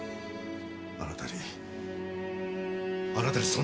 あなたにあなたにそんな資格はない！